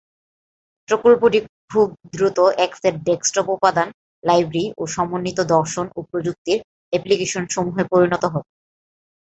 প্রকল্পটি খুব দ্রুত এক সেট ডেস্কটপ উপাদান, লাইব্রেরি ও সমন্বিত দর্শন ও প্রযুক্তির অ্যাপলিকেশন সমূহে পরিণত হলো।